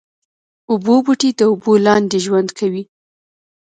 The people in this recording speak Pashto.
اوبو بوټي د اوبو لاندې ژوند کوي